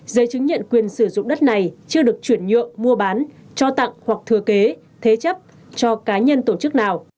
giấy chứng nhận quyền sử dụng đất này chưa được chuyển nhượng mua bán cho tặng hoặc thừa kế thế chấp cho cá nhân tổ chức nào